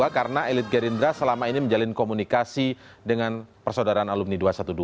karena elit gerindra selama ini menjalin komunikasi dengan persaudaraan alumni dua ratus dua belas